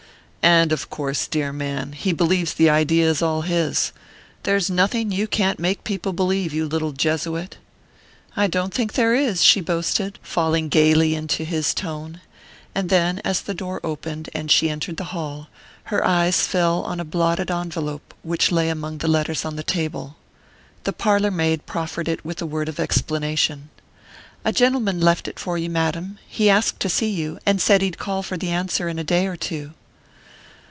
"And of course dear man! he believes the idea is all his. There's nothing you can't make people believe, you little Jesuit!" "I don't think there is!" she boasted, falling gaily into his tone; and then, as the door opened, and she entered the hall, her eyes fell on a blotted envelope which lay among the letters on the table. The parlour maid proffered it with a word of explanation. "A gentleman left it for you, madam; he asked to see you, and said he'd call for the answer in a day or two."